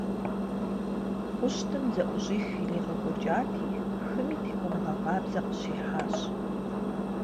Хъущтым зэӏущӏих иригъэкӏуэкӏати, хыми текӏуэныгъэ къабзэ къыщихьащ.